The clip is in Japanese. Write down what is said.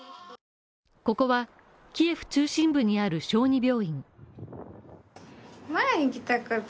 ここはキエフ中心部にある小児病院。